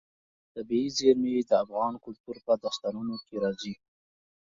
طبیعي زیرمې د افغان کلتور په داستانونو کې راځي.